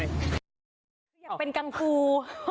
อยากเป็นกังพู